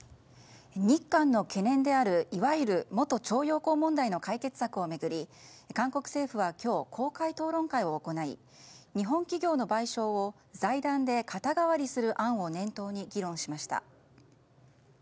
日韓の懸念であるいわゆる元徴用工問題の解決策を巡り、韓国政府は今日公開討論会を行い日本企業の賠償を財団で肩代わりする案を念頭に議論しました。